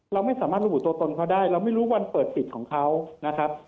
เราไม่สามารถระบุตัวตนเขาได้เราไม่รู้วันเปิดปิดของเขานะครับ